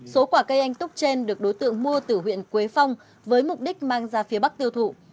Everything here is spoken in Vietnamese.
số quả cây anh túc trên được đối tượng mua từ huyện quế phong với mục đích mang ra phía bắc tiêu thụ